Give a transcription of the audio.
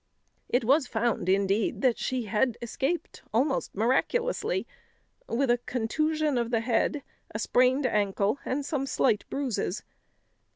It was found, indeed, that she had escaped, almost miraculously, with a contusion of the head, a sprained ankle, and some slight bruises.